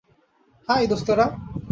High, দোস্তরা।